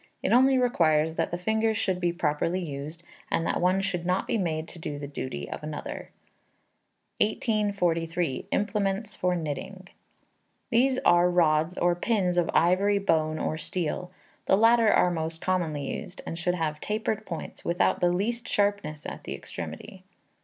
It only requires that the fingers should be properly used, and that one should not be made to do the duty of another. 1843. Implements for Knitting. These are rods or pins of ivory, bone, or steel. The latter are most commonly used, and should have tapered points, without the least sharpness at the extremity.